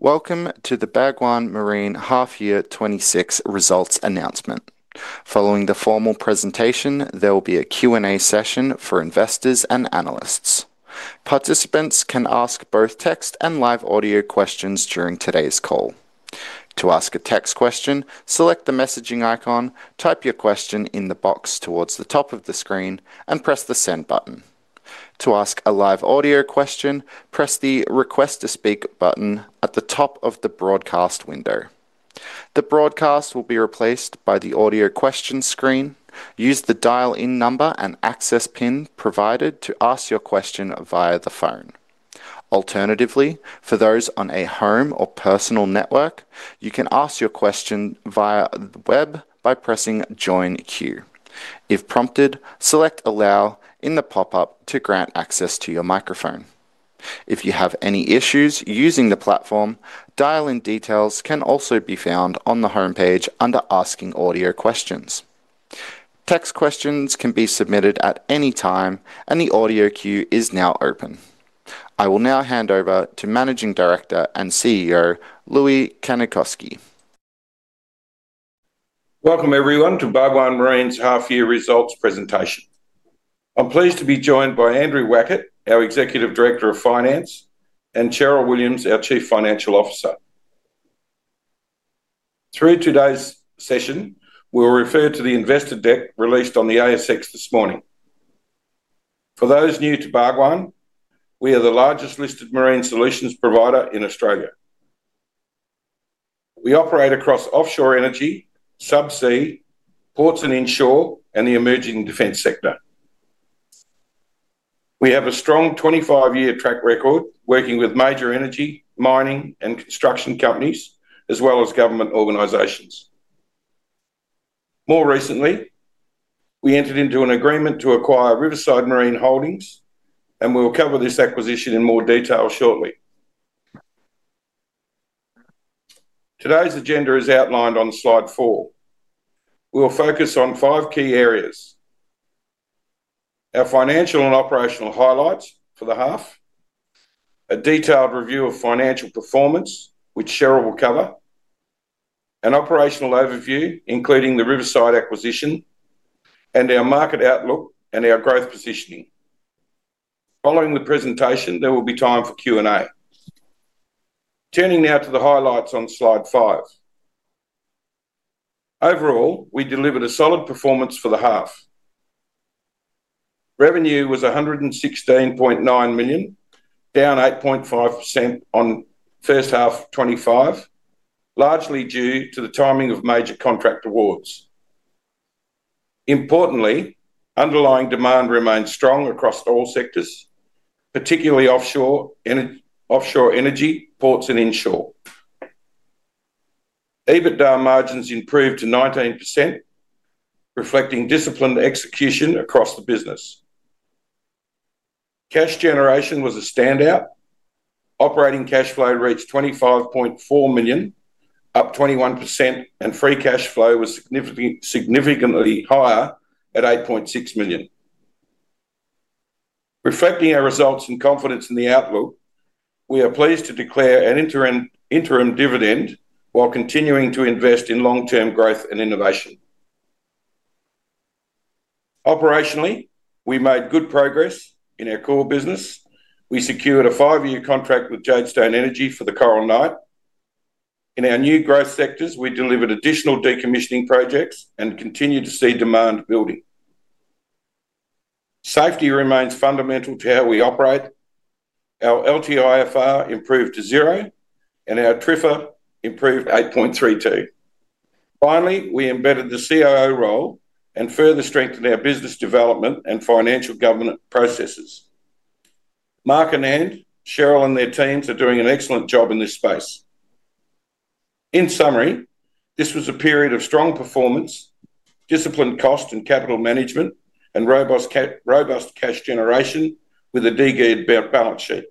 Welcome to the Bhagwan Marine Half Year 2026 Results Announcement. Following the formal presentation, there will be a Q&A session for investors and analysts. Participants can ask both text and live audio questions during today's call. To ask a text question, select the messaging icon, type your question in the box towards the top of the screen, and press the Send button. To ask a live audio question, press the Request to Speak button at the top of the broadcast window. The broadcast will be replaced by the Audio Questions screen. Use the dial-in number and access PIN provided to ask your question via the phone. Alternatively, for those on a home or personal network, you can ask your question via the web by pressing Join Queue. If prompted, select Allow in the pop-up to grant access to your microphone. If you have any issues using the platform, dial-in details can also be found on the homepage under Asking Audio Questions. Text questions can be submitted at any time. The audio queue is now open. I will now hand over to the Managing Director and CEO, Loui Kannikoski. Welcome everyone, to Bhagwan Marine's half-year results presentation. I'm pleased to be joined by Andrew Wackett, our Executive Director of Finance, and Cheryl Williams, our Chief Financial Officer. Through today's session, we'll refer to the investor deck released on the ASX this morning. For those new to Bhagwan, we are the largest listed marine solutions provider in Australia. We operate across offshore energy, subsea, ports and inshore, and the emerging defense sector. We have a strong 25-year track record working with major energy, mining, and construction companies, as well as government organizations. More recently, we entered into an agreement to acquire Riverside Marine Holdings. We will cover this acquisition in more detail shortly. Today's agenda is outlined on slide four. We will focus on 5 key areas: our financial and operational highlights for the half, a detailed review of financial performance, which Cheryl will cover, an operational overview, including the Riverside acquisition, and our market outlook and our growth positioning. Following the presentation, there will be time for Q&A. Turning now to the highlights on slide five. Overall, we delivered a solid performance for the half. Revenue was 116.9 million, down 8.5% on first half 2025, largely due to the timing of major contract awards. Importantly, underlying demand remains strong across all sectors, particularly offshore energy, ports, and inshore. EBITDA margins improved to 19%, reflecting disciplined execution across the business. Cash generation was a standout. Operating cash flow reached 25.4 million, up 21%, and free cash flow was significantly higher at 8.6 million. Reflecting our results and confidence in the outlook, we are pleased to declare an interim dividend while continuing to invest in long-term growth and innovation. Operationally, we made good progress in our core business. We secured a five-year contract with Jadestone Energy for the Coral Knight. In our new growth sectors, we delivered additional decommissioning projects and continued to see demand building. Safety remains fundamental to how we operate. Our LTIFR improved to zero, and our TRIFR improved to 8.32. Finally, we embedded the CIO role and further strengthened our business development and financial governance processes. Mark and Andrew, Cheryl and their teams are doing an excellent job in this space. In summary, this was a period of strong performance, disciplined cost and capital management, and robust cash generation with a de-geared balance sheet.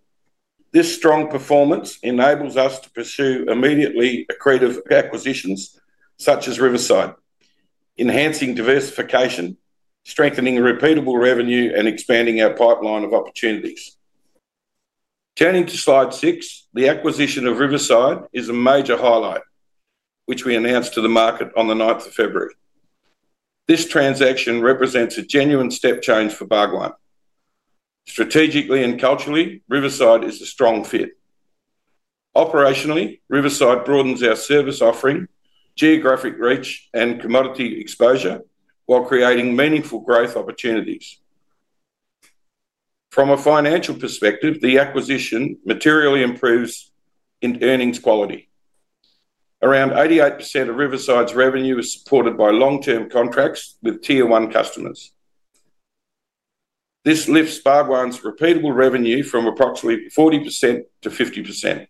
This strong performance enables us to pursue immediately accretive acquisitions such as Riverside, enhancing diversification, strengthening repeatable revenue, and expanding our pipeline of opportunities. Turning to slide six, the acquisition of Riverside is a major highlight, which we announced to the market on the 9th of February. This transaction represents a genuine step change for Bhagwan. Strategically and culturally, Riverside is a strong fit. Operationally, Riverside broadens our service offering, geographic reach, and commodity exposure while creating meaningful growth opportunities. From a financial perspective, the acquisition materially improves in earnings quality. Around 88% of Riverside's revenue is supported by long-term contracts with Tier 1 customers. This lifts Bhagwan's repeatable revenue from approximately 40%-50%.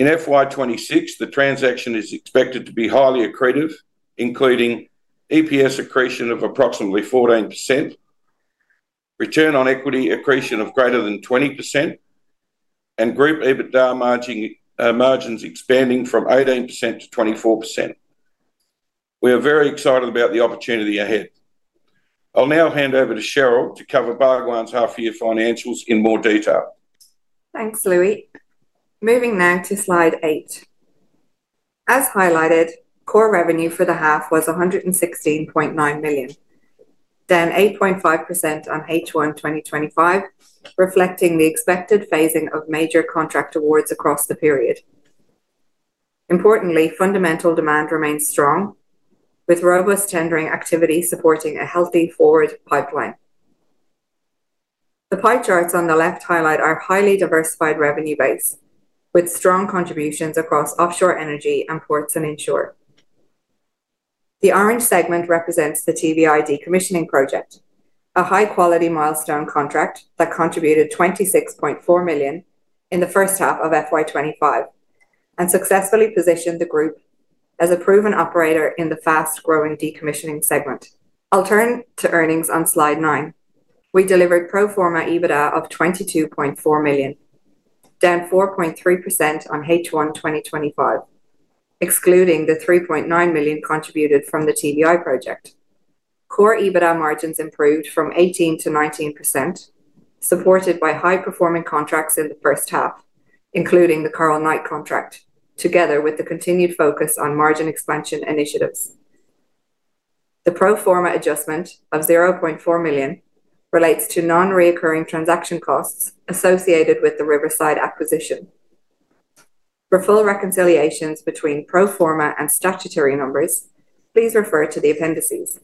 In FY 2026, the transaction is expected to be highly accretive, including EPS accretion of approximately 14%, return on equity accretion of greater than 20%, and group EBITDA margins expanding from 18%-24%. We are very excited about the opportunity ahead. I'll now hand over to Cheryl to cover Bhagwan's half-year financials in more detail. Thanks, Loui. Moving now to slide eight. As highlighted, core revenue for the half was 116.9 million, down 8.5% on H1 2025, reflecting the expected phasing of major contract awards across the period. Importantly, fundamental demand remains strong, with robust tendering activity supporting a healthy forward pipeline. The pie charts on the left highlight our highly diversified revenue base, with strong contributions across offshore energy and ports and inshore. The orange segment represents the TVI decommissioning project, a high-quality milestone contract that contributed 26.4 million in the first half of FY 2025 and successfully positioned the group as a proven operator in the fast-growing decommissioning segment. I'll turn to earnings on slide nine. We delivered pro forma EBITDA of 22.4 million, down 4.3% on H1 2025, excluding the 3.9 million contributed from the TVI project. Core EBITDA margins improved from 18%-19%, supported by high-performing contracts in the first half, including the Coral Knight contract, together with the continued focus on margin expansion initiatives. The pro forma adjustment of 0.4 million relates to non-reoccurring transaction costs associated with the Riverside acquisition. For full reconciliations between pro forma and statutory numbers, please refer to the appendices.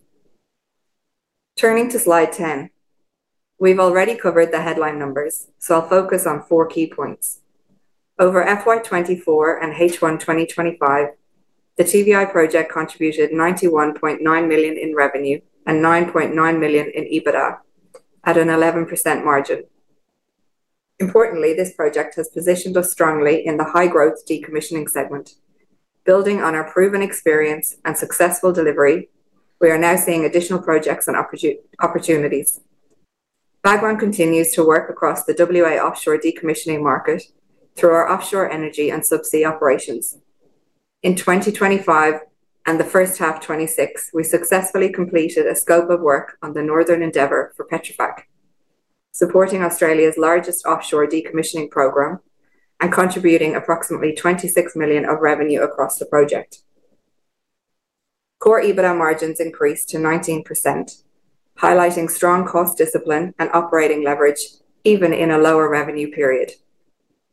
Turning to slide 10. We've already covered the headline numbers, so I'll focus on four key points. Over FY 2024 and H1 2025, the TVI project contributed 91.9 million in revenue and 9.9 million in EBITDA at an 11% margin. Importantly, this project has positioned us strongly in the high-growth decommissioning segment. Building on our proven experience and successful delivery, we are now seeing additional projects and opportunities. Bhagwan continues to work across the WA offshore decommissioning market through our offshore energy and subsea operations. In 2025 and the first half 2026, we successfully completed a scope of work on the Northern Endeavour for Petrofac, supporting Australia's largest offshore decommissioning program and contributing approximately 26 million of revenue across the project. Core EBITDA margins increased to 19%, highlighting strong cost discipline and operating leverage even in a lower revenue period.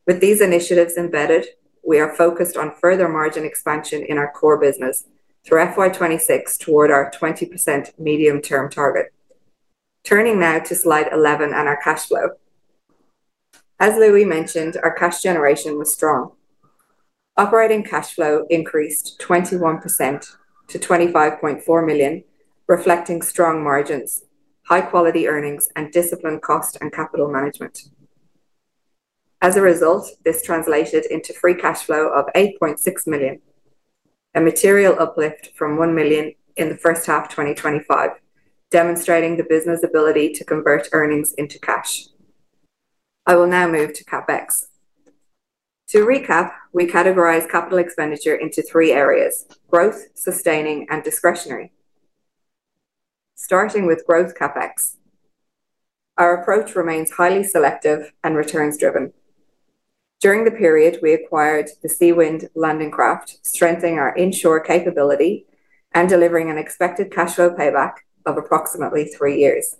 With these initiatives embedded, we are focused on further margin expansion in our core business through FY 2026 toward our 20% medium-term target. Turning now to slide 11 and our cash flow. As Loui mentioned, our cash generation was strong. Operating cash flow increased 21% to 25.4 million, reflecting strong margins, high-quality earnings, and disciplined cost and capital management. This translated into free cash flow of 8.6 million, a material uplift from 1 million in the first half of 2025, demonstrating the business ability to convert earnings into cash. I will now move to CapEx. To recap, we categorize capital expenditure into three areas: growth, sustaining, and discretionary. Starting with growth CapEx, our approach remains highly selective and returns-driven. During the period, we acquired the Seawind landing craft, strengthening our inshore capability and delivering an expected cash flow payback of approximately three years.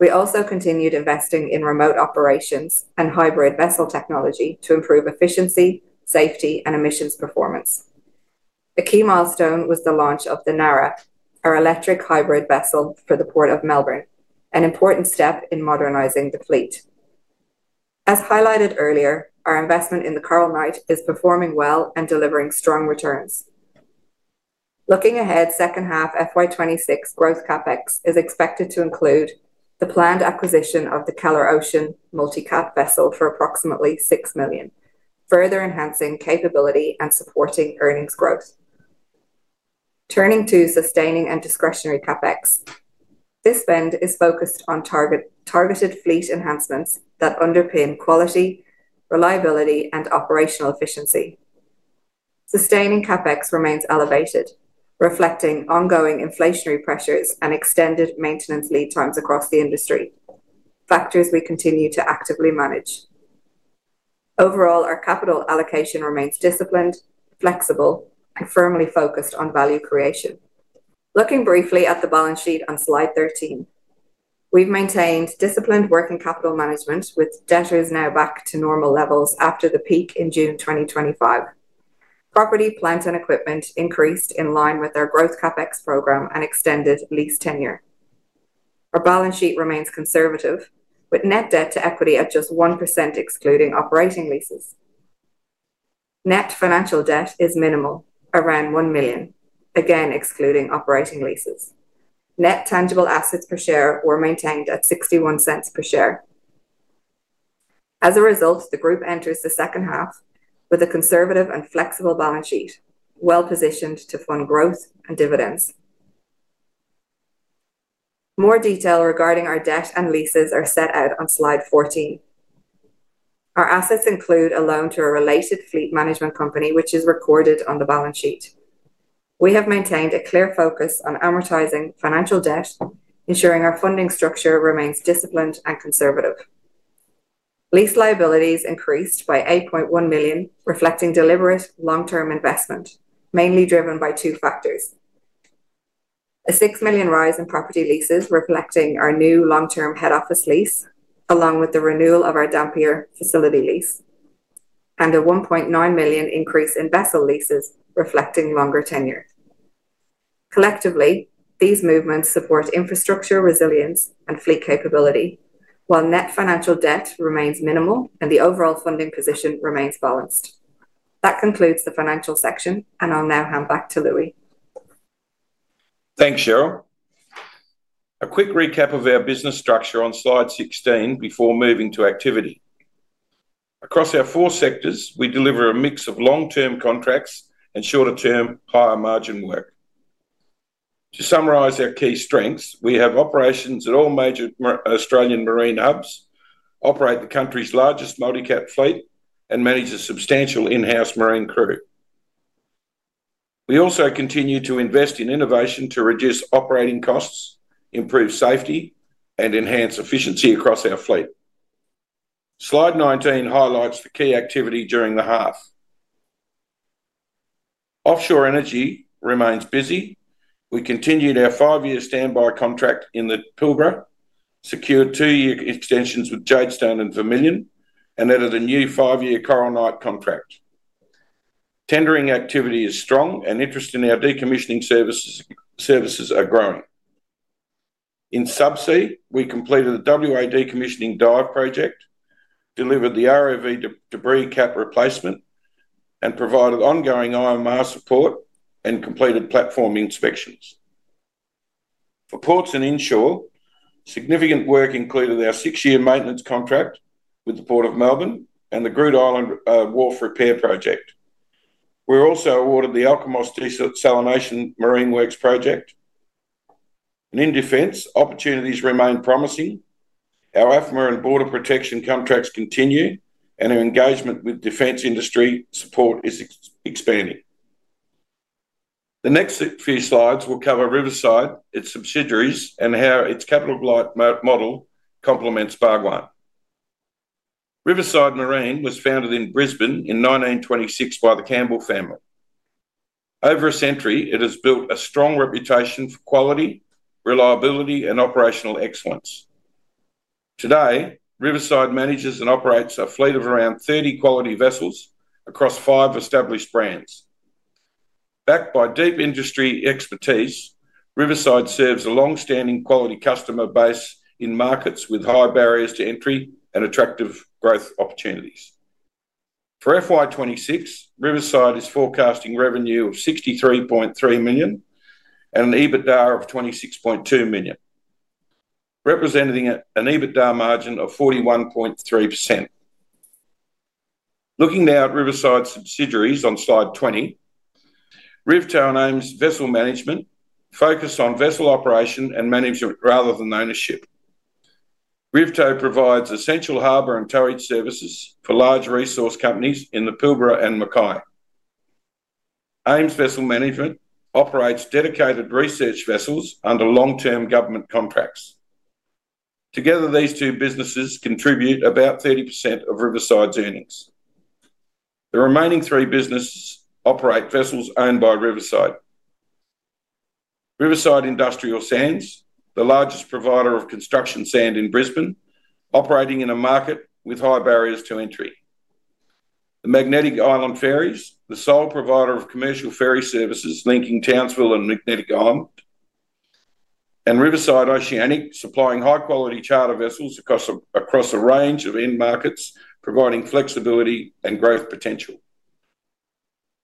We also continued investing in remote operations and hybrid vessel technology to improve efficiency, safety, and emissions performance. A key milestone was the launch of the Nara, our electric hybrid vessel for the Port of Melbourne, an important step in modernizing the fleet. As highlighted earlier, our investment in the Coral Knight is performing well and delivering strong returns. Looking ahead, second half FY 26 growth CapEx is expected to include the planned acquisition of the Keller Ocean Multi-Cat vessel for approximately 6 million, further enhancing capability and supporting earnings growth. Turning to sustaining and discretionary CapEx. This spend is focused on targeted fleet enhancements that underpin quality, reliability, and operational efficiency. Sustaining CapEx remains elevated, reflecting ongoing inflationary pressures and extended maintenance lead times across the industry, factors we continue to actively manage. Overall, our capital allocation remains disciplined, flexible, and firmly focused on value creation. Looking briefly at the balance sheet on slide 13. We've maintained disciplined working capital management, with debtors now back to normal levels after the peak in June 2025. Property, plant, and equipment increased in line with our growth CapEx program and extended lease tenure. Our balance sheet remains conservative, with net debt to equity at just 1%, excluding operating leases. Net financial debt is minimal, around 1 million, again, excluding operating leases. Net tangible assets per share were maintained at 0.61 per share. The group enters the second half with a conservative and flexible balance sheet, well-positioned to fund growth and dividends. More detail regarding our debt and leases are set out on slide 14. Our assets include a loan to a related fleet management company, which is recorded on the balance sheet. We have maintained a clear focus on amortizing financial debt, ensuring our funding structure remains disciplined and conservative. Lease liabilities increased by 8.1 million, reflecting deliberate long-term investment, mainly driven by two factors: a 6 million rise in property leases, reflecting our new long-term head office lease, along with the renewal of our Dampier facility lease, and a 1.9 million increase in vessel leases, reflecting longer tenure. Collectively, these movements support infrastructure resilience and fleet capability, while net financial debt remains minimal and the overall funding position remains balanced. That concludes the financial section, and I'll now hand back to Loui. Thanks, Cheryl. A quick recap of our business structure on slide 16 before moving to activity. Across our four sectors, we deliver a mix of long-term contracts and shorter-term, higher margin work. To summarize our key strengths, we have operations at all major Australian marine hubs, operate the country's largest Multi Cat fleet, and manage a substantial in-house marine crew. We also continue to invest in innovation to reduce operating costs, improve safety, and enhance efficiency across our fleet. Slide 19 highlights the key activity during the half. Offshore energy remains busy. We continued our 5-year standby contract in the Pilbara, secured 2-year extensions with Jadestone and Vermilion, and added a new 5-year Coral Knight contract. Tendering activity is strong, and interest in our decommissioning services are growing. In subsea, we completed a WA decommissioning dive project, delivered the ROV debris cap replacement, and provided ongoing OMR support and completed platform inspections. For ports and inshore, significant work included our 6-year maintenance contract with the Port of Melbourne and the Groote Eylandt wharf repair project. We were also awarded the Alkimos Desalination Marine Works project. In defense, opportunities remain promising. Our AFMR and Border Protection contracts continue, and our engagement with defense industry support is expanding. The next few slides will cover Riverside, its subsidiaries, and how its capital-light model complements Bhagwan Marine. Riverside Marine was founded in Brisbane in 1926 by the Campbell family. Over a century, it has built a strong reputation for quality, reliability, and operational excellence. Today, Riverside manages and operates a fleet of around 30 quality vessels across five established brands. Backed by deep industry expertise, Riverside serves a long-standing quality customer base in markets with high barriers to entry and attractive growth opportunities. For FY26, Riverside is forecasting revenue of 63.3 million and an EBITDA of 26.2 million, representing an EBITDA margin of 41.3%. Looking now at Riverside subsidiaries on slide 20, Rivtow / AIMS Vessel Management focused on vessel operation and management rather than ownership. RivTow provides essential harbor and towage services for large resource companies in the Pilbara and Mackay. AIMS Vessel Management operates dedicated research vessels under long-term government contracts. Together, these two businesses contribute about 30% of Riverside's earnings. The remaining three businesses operate vessels owned by Riverside. Riverside Industrial Sands, the largest provider of construction sand in Brisbane, operating in a market with high barriers to entry. The Magnetic Island Ferries, the sole provider of commercial ferry services linking Townsville and Magnetic Island, and Riverside Oceanic, supplying high-quality charter vessels across a range of end markets, providing flexibility and growth potential.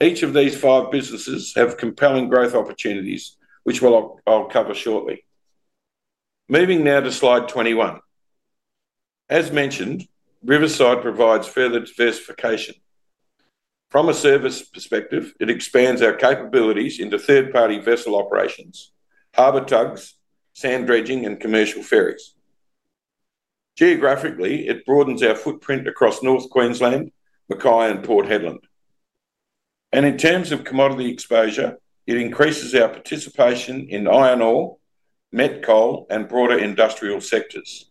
Each of these 5 businesses have compelling growth opportunities, which I'll cover shortly. Moving now to slide 21. As mentioned, Riverside provides further diversification. From a service perspective, it expands our capabilities into third-party vessel operations, harbor tugs, sand dredging, and commercial ferries. Geographically, it broadens our footprint across North Queensland, Mackay, and Port Hedland. In terms of commodity exposure, it increases our participation in iron ore, met coal, and broader industrial sectors.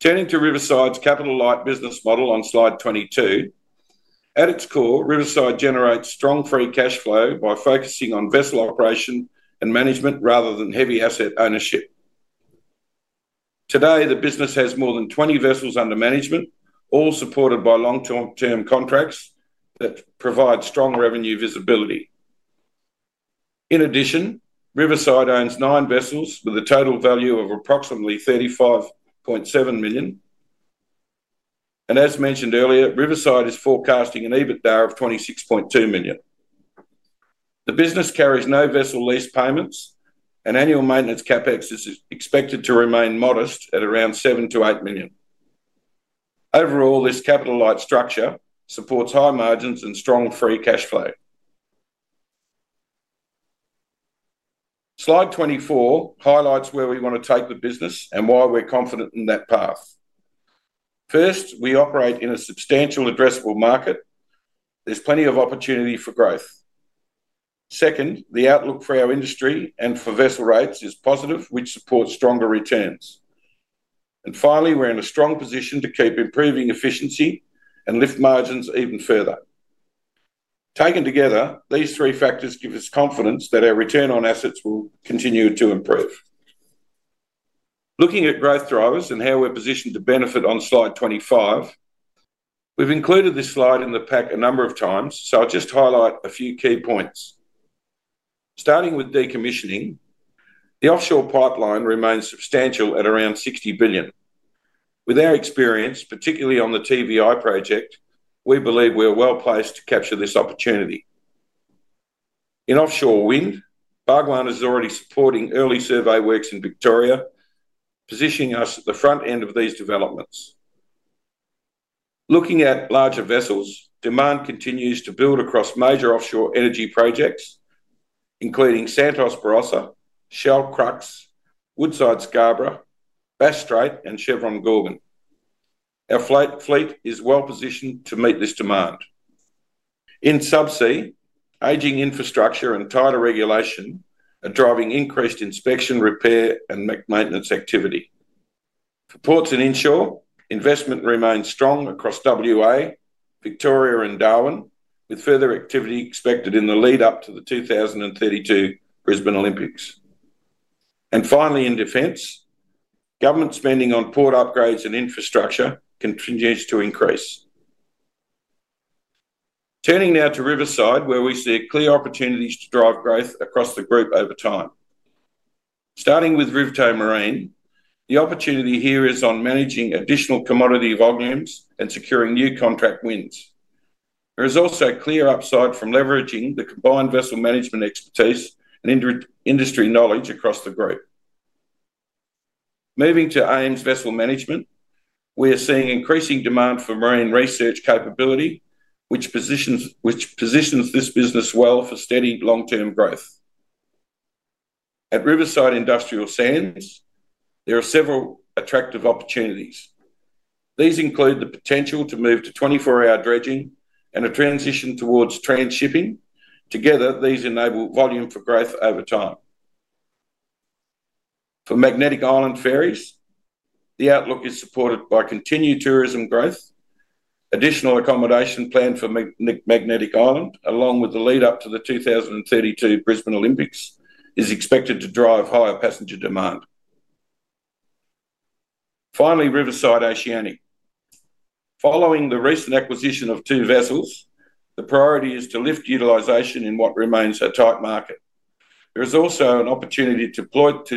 Turning to Riverside's capital-light business model on slide 22. At its core, Riverside generates strong free cash flow by focusing on vessel operation and management rather than heavy asset ownership. Today, the business has more than 20 vessels under management, all supported by long-term contracts that provide strong revenue visibility. In addition, Riverside owns 9 vessels with a total value of approximately 35.7 million. As mentioned earlier, Riverside is forecasting an EBITDA of 26.2 million. The business carries no vessel lease payments. Annual maintenance CapEx is expected to remain modest at around 7 million to 8 million. Overall, this capital-light structure supports high margins and strong free cash flow. Slide 24 highlights where we want to take the business and why we're confident in that path. First, we operate in a substantial addressable market. There's plenty of opportunity for growth. Second, the outlook for our industry and for vessel rates is positive, which supports stronger returns. Finally, we're in a strong position to keep improving efficiency and lift margins even further. Taken together, these three factors give us confidence that our return on assets will continue to improve. Looking at growth drivers and how we're positioned to benefit on Slide 25, we've included this slide in the pack a number of times, so I'll just highlight a few key points. Starting with decommissioning, the offshore pipeline remains substantial at around 60 billion. With our experience, particularly on the TVI project, we believe we are well-placed to capture this opportunity. In offshore wind, Bhagwan is already supporting early survey works in Victoria, positioning us at the front end of these developments. Looking at larger vessels, demand continues to build across major offshore energy projects, including Santos Barossa, Shell Crux, Woodside Scarborough, Bass Strait, and Chevron Gorgon. Our fleet is well positioned to meet this demand. In subsea, aging infrastructure and tighter regulation are driving increased inspection, repair, and maintenance activity. For ports and inshore, investment remains strong across WA, Victoria, and Darwin, with further activity expected in the lead up to the 2032 Brisbane Olympics. Finally, in defense, government spending on port upgrades and infrastructure continues to increase. Turning now to Riverside, where we see clear opportunities to drive growth across the group over time. Starting with RivTow Marine, the opportunity here is on managing additional commodity volumes and securing new contract wins. There is also a clear upside from leveraging the combined vessel management expertise and industry knowledge across the group. Moving to AIMS Vessel Management, we are seeing increasing demand for marine research capability, which positions this business well for steady long-term growth. At Riverside Industrial Sands, there are several attractive opportunities. These include the potential to move to 24-hour dredging and a transition towards transhipping. Together, these enable volume for growth over time. For Magnetic Island Ferries, the outlook is supported by continued tourism growth. Additional accommodation planned for Magnetic Island, along with the lead up to the 2032 Brisbane Olympics, is expected to drive higher passenger demand. Finally, Riverside Oceanic. Following the recent acquisition of two vessels, the priority is to lift utilization in what remains a tight market. There is also an opportunity to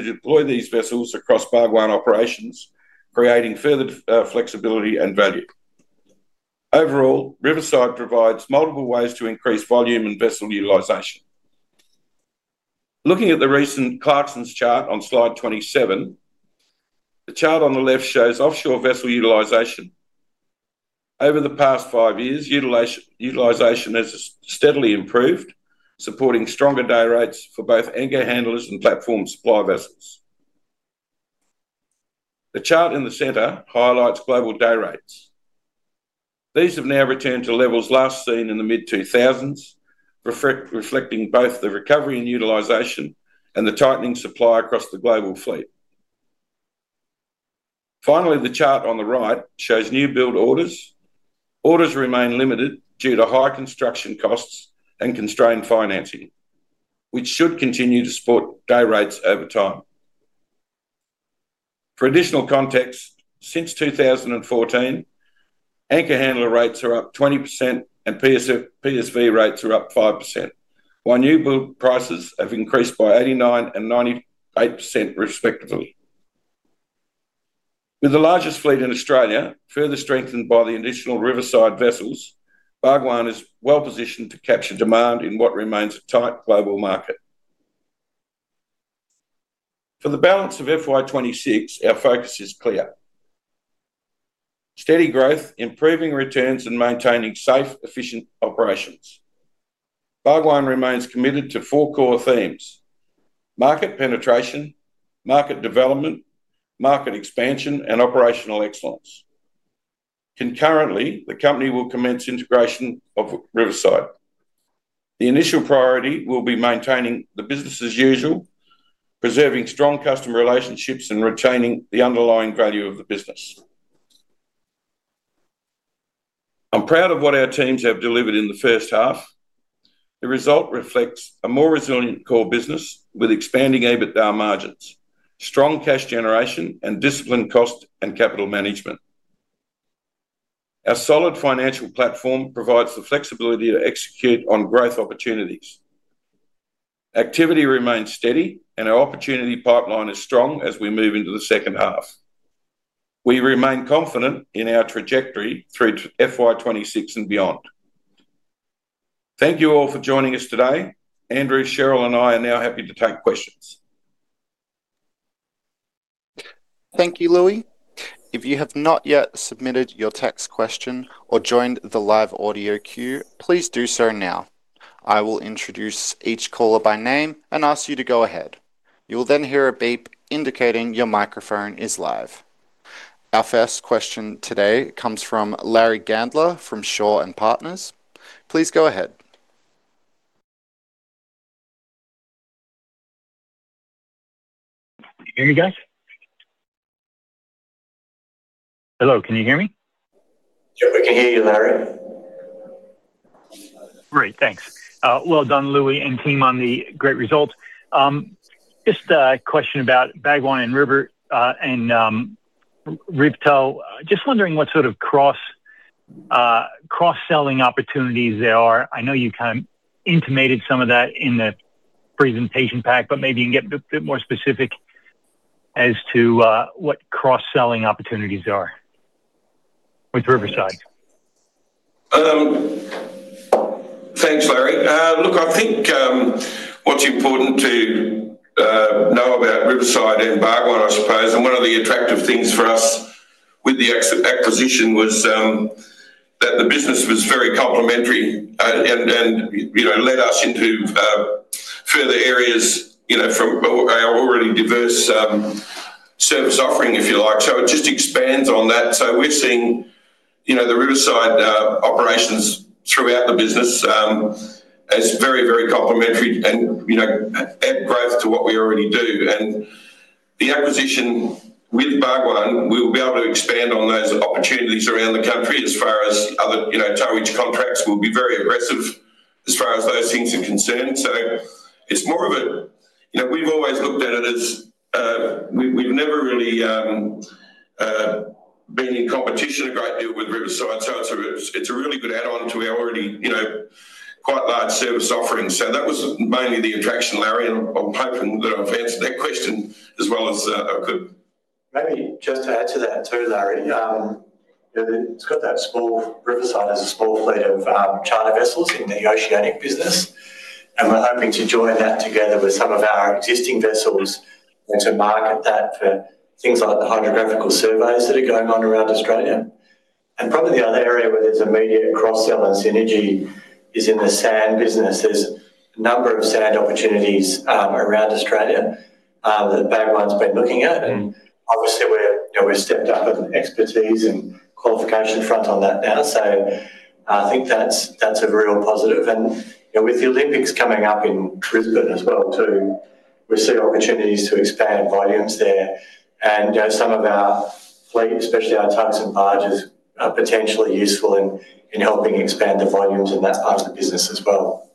deploy these vessels across Bhagwan operations, creating further flexibility and value. Overall, Riverside provides multiple ways to increase volume and vessel utilization. Looking at the recent Clarkson chart on slide 27, the chart on the left shows offshore vessel utilization. Over the past five years, utilization has steadily improved, supporting stronger day rates for both anchor handlers and platform supply vessels. The chart in the center highlights global day rates. These have now returned to levels last seen in the mid-2000s, reflecting both the recovery and utilization and the tightening supply across the global fleet. Finally, the chart on the right shows new build orders. Orders remain limited due to high construction costs and constrained financing, which should continue to support day rates over time. For additional context, since 2014, anchor handler rates are up 20% and PSV rates are up 5%, while new build prices have increased by 89% and 98%, respectively. With the largest fleet in Australia, further strengthened by the additional Riverside vessels, Bhagwan is well positioned to capture demand in what remains a tight global market. For the balance of FY26, our focus is clear: steady growth, improving returns, and maintaining safe, efficient operations. Bhagwan remains committed to 4 core themes: market penetration, market development, market expansion, and operational excellence. Concurrently, the company will commence integration of Riverside. The initial priority will be maintaining the business as usual, preserving strong customer relationships, and retaining the underlying value of the business. I'm proud of what our teams have delivered in the first half. The result reflects a more resilient core business with expanding EBITDA margins, strong cash generation, and disciplined cost and capital management. Our solid financial platform provides the flexibility to execute on growth opportunities. Activity remains steady, our opportunity pipeline is strong as we move into the second half. We remain confident in our trajectory through to FY 2026 and beyond. Thank you all for joining us today. Andrew, Cheryl, and I are now happy to take questions. Thank you, Loui. If you have not yet submitted your text question or joined the live audio queue, please do so now. I will introduce each caller by name and ask you to go ahead. You'll then hear a beep indicating your microphone is live. Our first question today comes from Larry Gandler from Shaw and Partners. Please go ahead. Can you hear me, guys? Hello, can you hear me? Yep, we can hear you, Larry. Great, thanks. Well done, Loui and team, on the great results. Just a question about Bhagwan and Riverside and Rivtow Marine. Just wondering what sort of cross-selling opportunities there are. I know you kind of intimated some of that in the presentation pack, but maybe you can get a bit more specific as to what cross-selling opportunities there are with Riverside. Thanks, Larry. Look, what's important to know about Riverside and Bhagwan and one of the attractive things for us with the acquisition was that the business was very complementary. Led us into further areas from our already diverse service offering, if you like. It just expands on that. We're seeing the Riverside operations throughout the business as very, very complementary and add growth to what we already do. With the acquisition with Bhagwan, we'll be able to expand on those opportunities around the country as far as other towage contracts. We'll be very aggressive as far as those things are concerned. We've always looked at it as, we've never really been in competition a great deal with Riverside, so it's a really good add-on to our already quite large service offering. That was mainly the attraction, Larry, and I'm hoping that I've answered that question as well as I could. Maybe just to add to that, too, Larry, it's got that small, Riverside has a small fleet of charter vessels in the Oceanic business, and we're hoping to join that together with some of our existing vessels and to market that for things like the hydrographic surveys that are going on around Australia. Probably the other area where there's immediate cross-selling synergy is in the sand business. There's a number of sand opportunities around Australia that Bhagwan's been looking at, and obviously, we've stepped up in expertise and qualification front on that now. I think that's a real positive. With the Olympics coming up in Brisbane as well, we see opportunities to expand volumes there. Some of our fleet, especially our tugs and barges, are potentially useful in helping expand the volumes in that part of the business as well.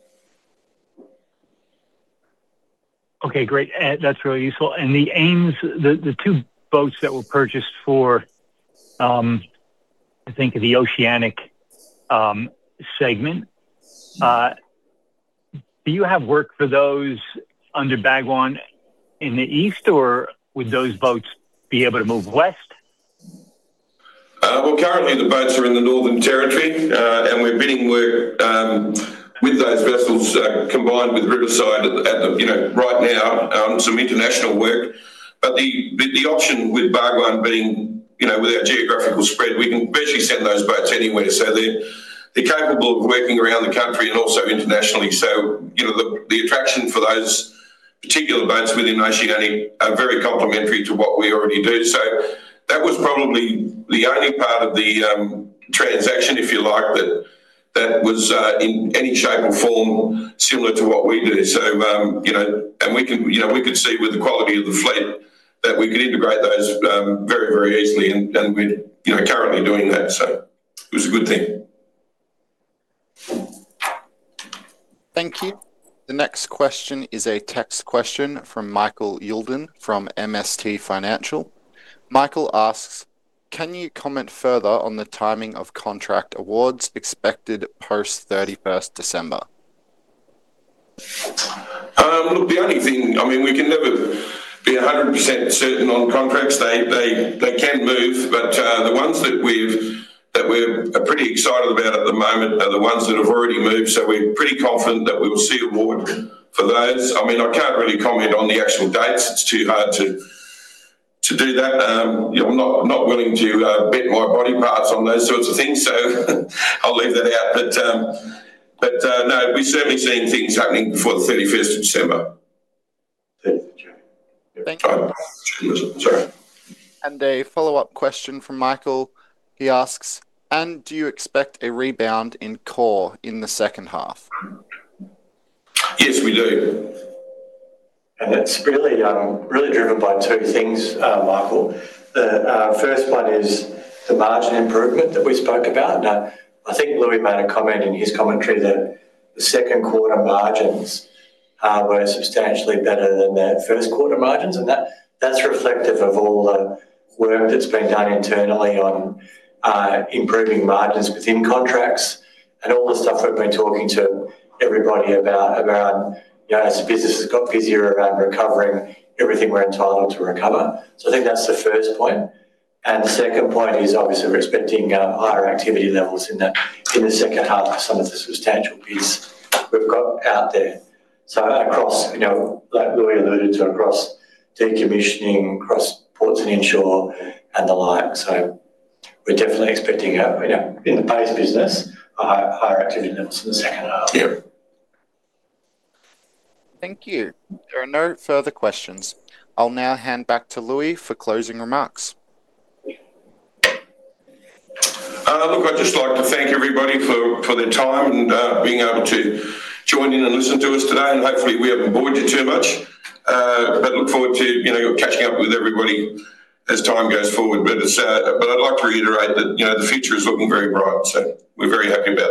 Okay, great. That's really useful. The AIMS, the two boats that were purchased for, I think, the Oceanic segment, do you have work for those under Bhagwan in the east, or would those boats be able to move west? Well, currently, the boats are in the Northern Territory, and we're bidding work with those vessels combined with Riverside at the right now, some international work. The option with Bhagwan being with our geographical spread, we can basically send those boats anywhere. They're capable of working around the country and also internationally. The attraction for those particular boats within Oceanic are very complimentary to what we already do. That was probably the only part of the transaction, if you like, that was in any shape or form similar to what we do. We could see with the quality of the fleet that we could integrate those, very, very easily, and we're currently doing that, so it was a good thing. Thank you. The next question is a text question from Michael Youlden from MST Financial. Michael asks: "Can you comment further on the timing of contract awards expected post thirty-first December? Look, we can never be 100% certain on contracts. They can move, but the ones that we've are pretty excited about at the moment are the ones that have already moved, so we're pretty confident that we will see an award for those. I can't really comment on the actual dates. It's too hard to do that. I'm not willing to bet my body parts on those things, so I'll leave that out. No, we've certainly seen things happening before the 31st of December. Thank you. A follow-up question from Michael. He asks: "Do you expect a rebound in core in the second half? Yes, we do. That's really, really driven by two things, Michael. The first one is the margin improvement that we spoke about. I think Loui made a comment in his commentary that the second quarter margins were substantially better than the first quarter margins, and that's reflective of all the work that's been done internally on improving margins within contracts and all the stuff we've been talking to everybody about, around as the business has got busier around recovering everything we're entitled to recover. I think that's the first point. The second point is, obviously, we're expecting higher activity levels in the second half for some of the substantial piece we've got out there. Across like Loui alluded to, across decommissioning, across ports and inshore, and the like. We're definitely expecting a in the base business, a higher activity levels in the second half. Thank you. There are no further questions. I'll now hand back to Loui for closing remarks. Look, I'd just like to thank everybody for their time and being able to join in and listen to us today, and hopefully, we haven't bored you too much. Look forward to catching up with everybody as time goes forward. I'd like to reiterate that the future is looking very bright, so we're very happy about it.